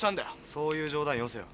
そういう冗談よせよ。